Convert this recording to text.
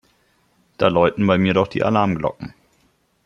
Da läuten bei mir doch die Alarmglocken.